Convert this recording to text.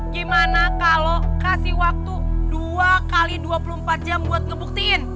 gimana kalau kasih waktu dua x dua puluh empat jam buat ngebuktiin